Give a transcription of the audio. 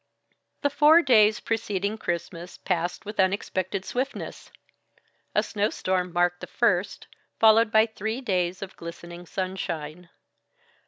The four days preceding Christmas passed with unexpected swiftness. A snow storm marked the first, followed by three days of glistening sunshine.